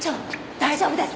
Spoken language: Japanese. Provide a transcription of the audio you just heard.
大丈夫です。